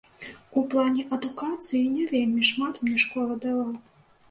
У плане адукацыі не вельмі шмат мне школа дала.